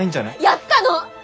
やったの！